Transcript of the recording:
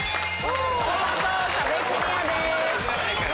見事壁クリアです。